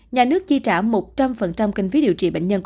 nhà nước chi trả một trăm linh kinh phí điều trị bệnh nhân